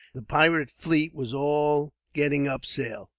The pirate fleet were all getting up sail.